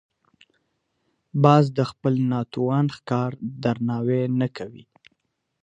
باز د خپل ناتوان ښکار درناوی نه کوي